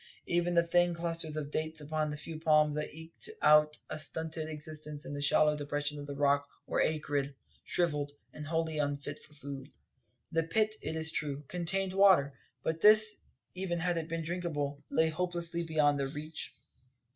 Even the thin clusters of dates upon the few palms that eked out a stunted existence in a shallow depression of the Rock were acrid, shrivelled, and wholly unfit for food. The pit, it is true, contained water; but this, even had it been drinkable, lay hopelessly beyond their reach.